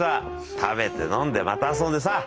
食べて飲んでまた遊んでさ。